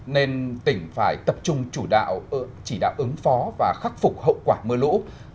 nên tỉnh phải tập trung chủ đạo chỉ đạo ứng phó và khắc phục hậu quả mưa lũ